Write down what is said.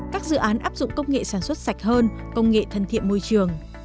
các dự án áp dụng công nghệ sản xuất sạch hơn công nghệ thân thiện môi trường